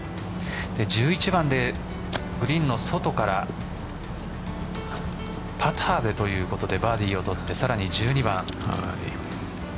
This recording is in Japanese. １１番でグリーンの外からパターでということでバーディーを取ってさらに１２番。